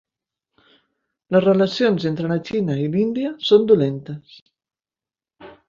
Les relacions entre la Xina i l'Índia són dolentes